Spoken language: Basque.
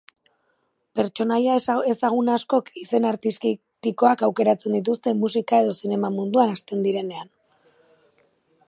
Pertsonaia ezagun askok izen artistikoak aukeratzen dituzte musika edo zinema munduan hasten direnean.